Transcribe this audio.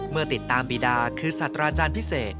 เมื่อติดตามบีดาคือศาสตราจารย์พิเศษ